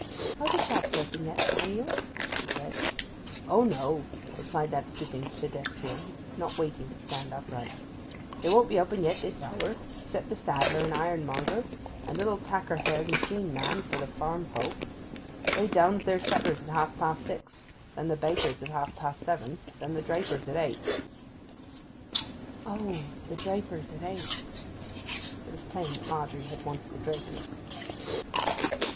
'Are the shops open yet, Samuel?' she said. 'O no,' replied that stooping pedestrian, not waiting to stand upright. 'They won't be open yet this hour, except the saddler and ironmonger and little tacker haired machine man for the farm folk. They downs their shutters at half past six, then the baker's at half past seven, then the draper's at eight.' 'O, the draper's at eight.' It was plain that Margery had wanted the draper's.